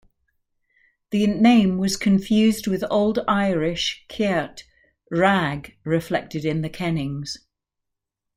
The name was confused with Old Irish "ceirt" 'rag', reflected in the kennings.